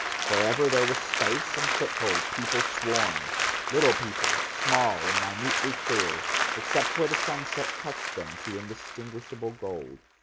Wherever there was space and foothold, people swarmed, little people, small and minutely clear, except where the sunset touched them to indistinguishable gold.